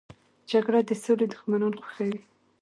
جګړه د سولې دښمنان خوښوي